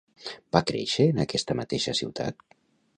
Va créixer en aquesta mateixa ciutat?